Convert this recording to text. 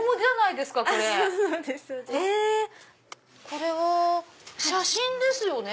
これは写真ですよね？